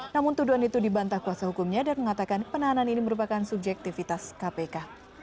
namun tuduhan itu dibantah kuasa hukumnya dan mengatakan penahanan ini merupakan subjektivitas kpk